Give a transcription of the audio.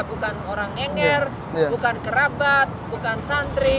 bukan orang ngenger bukan kerabat bukan santri